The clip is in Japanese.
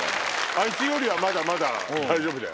あいつよりはまだまだ大丈夫だよ。